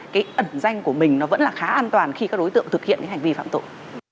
cái ẩn danh của mình nó vẫn là khá an toàn khi các đối tượng thực hiện cái hành vi phạm tội